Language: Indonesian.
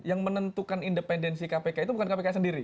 yang menentukan independensi kpk itu bukan kpk sendiri